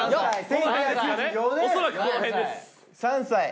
３歳！